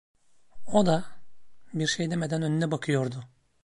O da, bir şey demeden önüne bakıyordu.